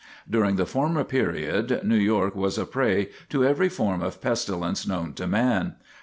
During the former period New York was a prey to every form of pestilence known to man.